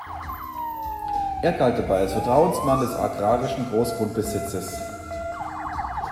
Er galt dabei als Vertrauensmann des agrarischen Großgrundbesitzes.